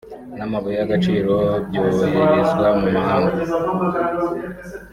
n’amabuye y’agaciro byoherezwa mu mahanga